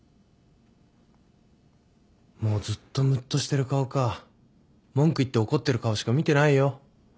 もうずっとむっとしてる顔か文句言って怒ってる顔しか見てないよ。